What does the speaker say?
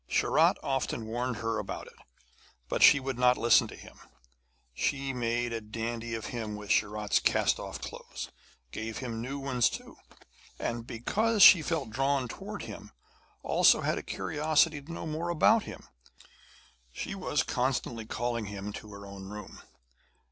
Sharat often warned her about it, but she would not listen to him. She made a dandy of him with Sharat's cast off clothes, and gave him new ones too. And because she felt drawn towards him, and also had a curiosity to know more about him, she was constantly calling him to her own room.